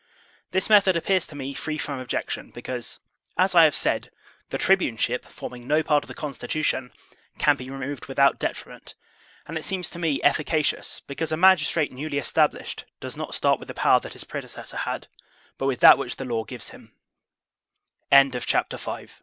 This method appears to me free from objection, be cause, as I have said, the tribuneship, forming no part of the constitution, can be removed without detriment; and it seems to me efficacious, because a magistrate newly established does not start with the power that his predecessor had, but with that